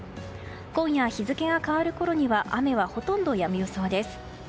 今夜日付が変わるころには雨はほとんどやむ予想です。